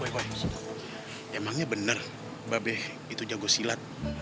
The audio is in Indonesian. boy emangnya bener babe itu jago silat